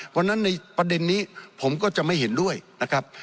เพราะฉะนั้นในประเด็นนี้ผมก็จะไม่เห็นด้วยนะครับ